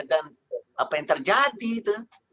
dan apa yang terjadi itu